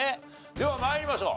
では参りましょう。